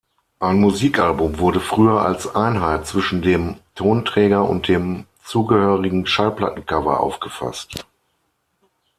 Ein Musikalbum wurde früher als Einheit zwischen dem Tonträger und dem zugehörigen Schallplattencover aufgefasst.